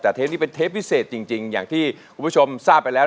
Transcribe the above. แต่เทปนี้เป็นเทปพิเศษจริงอย่างที่คุณผู้ชมทราบไปแล้ว